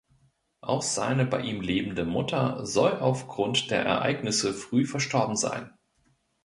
Auch seine bei ihm lebende Mutter soll auf Grund der Ereignisse früh verstorben sein.